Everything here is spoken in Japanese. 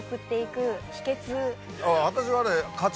私はね。